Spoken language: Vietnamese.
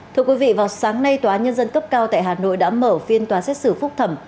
thưa quý vị vào sáng nay tòa án nhân dân cấp cao tại hà nội đã mở phiên tòa xét xử phúc thẩm